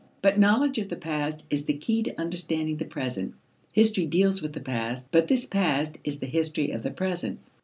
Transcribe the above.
But knowledge of the past is the key to understanding the present. History deals with the past, but this past is the history of the present.